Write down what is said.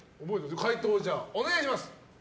解答をお願いします。